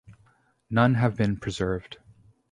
None have been preserved.